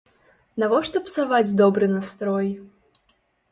Навошта псаваць добры настрой?